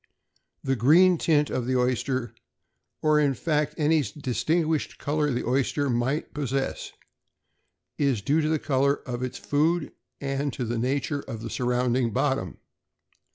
The green tint of the oyster, or in fact any distinguished color the oyster may possess, is due to the color of its food and to the nature of the surrounding bottom.